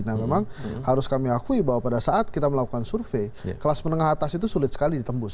nah memang harus kami akui bahwa pada saat kita melakukan survei kelas menengah atas itu sulit sekali ditembus